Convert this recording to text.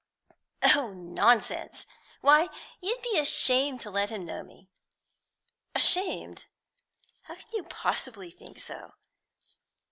"Oh, nonsense! Why, you'd be ashamed to let him know me." "Ashamed! How can you possibly think so?